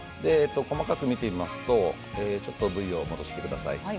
細かく見てみますとちょっとＶを戻してください。